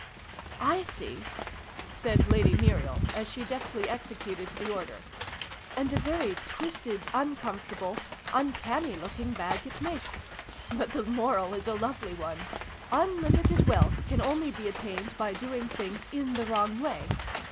"/ see !" said Lady Muriel, as she deftly executed the order. " And a very twisted, uncomfortable, uncanny looking bag it makes ! But the moral is a lovely one. Unlimited wealth can only be attained by doing things in the wrong way